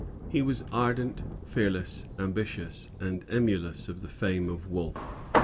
He was ardent, fearless, ambitious, and emulous of the fame of Wolfe.